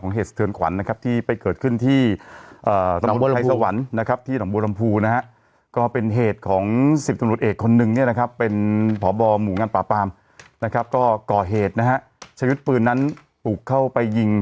ก่อเหตุชะยุทธ์ปืนนั้นปลูกเข้าไปยิง